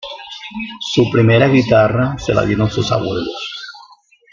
Su primera guitarra se la dieron sus abuelos.